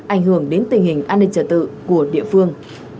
ảnh hưởng đến tình hình an ninh trả tự của địa phương